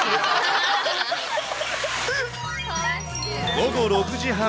午後６時半。